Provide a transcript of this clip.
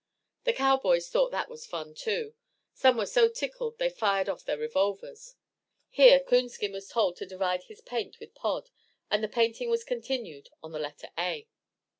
The cowboys thought that was fun, too; some were so tickled they fired off their revolvers. Here Coonskin was told to divide his paint with Pod, and the painting was continued on the letter A.